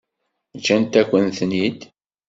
Ǧǧant-akent-ten-id.